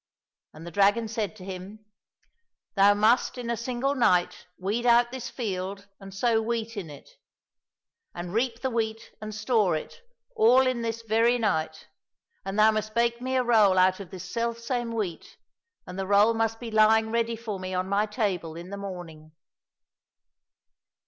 And the dragon said to him, " Thou must in a single night weed out this field and sow wheat in it, and reap the wheat and store it, all in this very night ; and thou must bake me a roll out of this self same wheat, and the roll must be lying ready for me on my table in the morning."